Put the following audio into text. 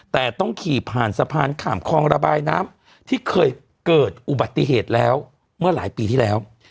แต่ต้องขี่ผ่านสะพานข้ามคลองระบายน้ำที่เคยเกิดอุบัติเหตุแล้วเมื่อหลายปีที่แล้ว